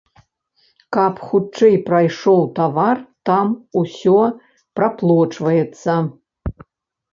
Каб хутчэй прайшоў тавар там усё праплочваецца.